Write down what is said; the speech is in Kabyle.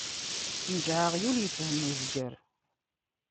Nǧeɛ aɣyul, ifhem uzger.